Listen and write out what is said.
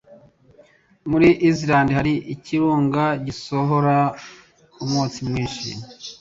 Muri Islande hari ikirunga gisohora umwotsi mwinshi